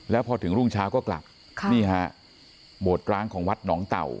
แล้วพอถึงรุ่งเช้าก็กลับนี่ฮะโบสถร้างของวัดหนองเต่า